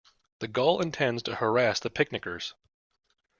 The gull intends to harass the picnickers.